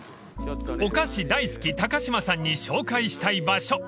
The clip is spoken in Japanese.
［お菓子大好き高島さんに紹介したい場所］